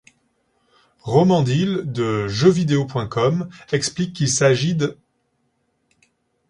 Romendil de Jeuxvideo.com explique qu'il s'agit d'